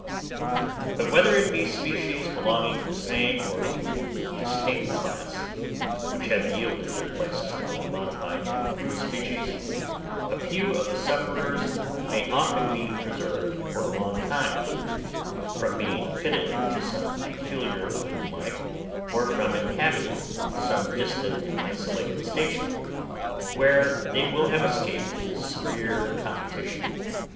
But whether it be species belonging to the same or to a distinct class, which have yielded their places to other modified and improved species, a few of the sufferers may often be preserved for a long time, from being fitted to some peculiar line of life, or from inhabiting some distant and isolated station, where they will have escaped severe competition.